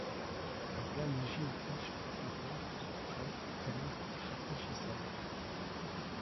Les plats, légers ou riches en saveur, sont frais, tendres et rafraîchissants.